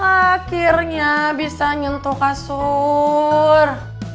akhirnya bisa nyentuh kasur